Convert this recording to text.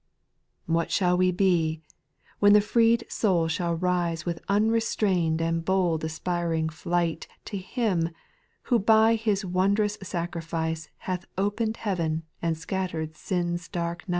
What shall we be, when the freed soul shall rise With unrestrained and bold aspiring flight To Uim, who by His wondrous sacrifice Hath opened heaven and scattered sin's dark night